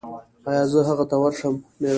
ایا زه هغه ته ورشم؟